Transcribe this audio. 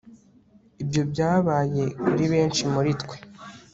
ibyo byabaye kuri benshi muri twe